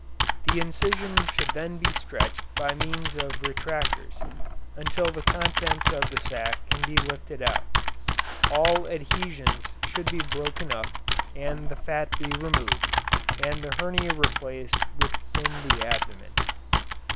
The incision should then be stretched by means of retractors, until the contents of the sac can be lifted out. All adhesions should be broken up and the fat be removed, and the hernia replaced within the abdomen.